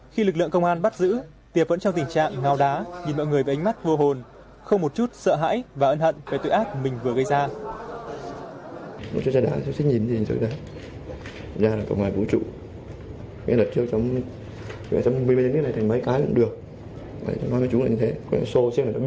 khi lực lượng công an bắt giữ tiệp vẫn trong tình trạng ngao đá nhìn mọi người với ánh mắt vô hồn không một chút sợ hãi và ân hận về tội ác mình vừa gây ra